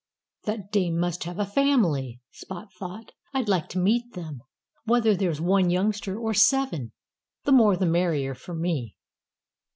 "That dame must have a family," Spot thought. "I'd like to meet them whether there's one youngster or seven. The more the merrier for me."